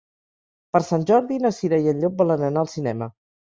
Per Sant Jordi na Cira i en Llop volen anar al cinema.